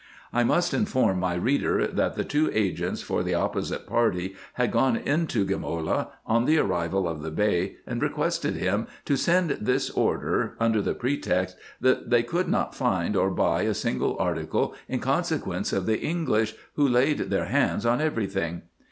I must inform my reader, that the two agents for the opposite party had gone to Gamola on the arrival of the Bey, and requested him to send this order, under the pretext, that they could not find or buy a single article in consequence of the English, who laid their hands on every thing.